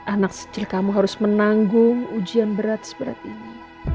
anak kecil kamu harus menanggung ujian berat seberat ini